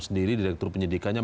sendiri direktur penyidikannya